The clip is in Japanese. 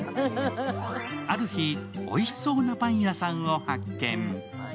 ある日、おいしそうなパン屋さんを発見。